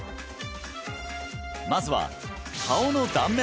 まずは顔の断面